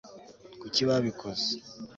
kuki babikoze